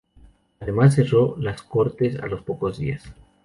Además cerró las Cortes a los pocos días.